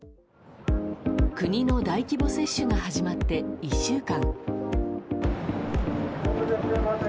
国の大規模接種が始まって１週間。